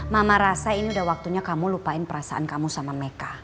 mama rasa ini udah waktunya kamu lupain perasaan kamu sama meka